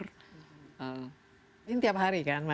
ini tiap hari kan